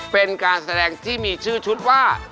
เป็นการแสดงที่มีชื่อชุดว่า